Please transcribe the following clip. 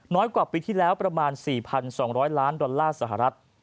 กว่าปีที่แล้วประมาณ๔๒๐๐ล้านดอลลาร์สหรัฐ